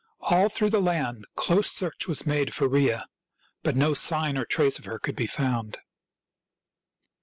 All through the land close search was made for Rhea ; but no sign or trace of her could be found.